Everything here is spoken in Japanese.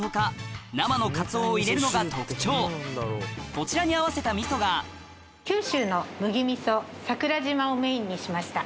こちらに合わせたみそが九州の麦みそ櫻島をメインにしました。